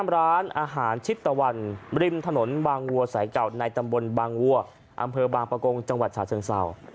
ร้านอาหารชิดตะวันริมถนนบางวัวสายเก่าในตำบลบางวัวอำเภอบางประกงจังหวัดฉาเชิงเศร้า